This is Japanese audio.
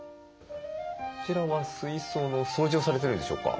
こちらは水槽の掃除をされてるんでしょうか？